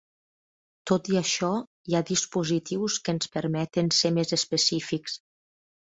Tot i això, hi ha dispositius que ens permeten ser més específics.